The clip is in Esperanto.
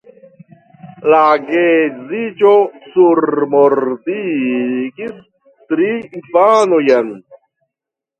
La geedziĝo surmondigis tri infanojn.